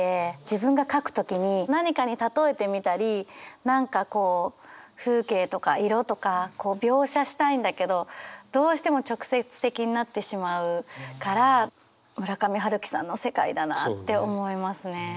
自分が書く時に何かに例えてみたり何かこう風景とか色とか描写したいんだけどどうしても直接的になってしまうから村上春樹さんの世界だなって思いますね。